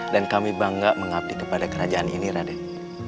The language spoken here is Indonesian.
dan kami bangga mengabdi kepada kerajaan ini raden